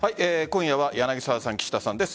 今夜は柳澤さん、岸田さんです。